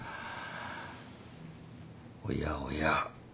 おやおや。